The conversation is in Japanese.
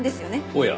おや。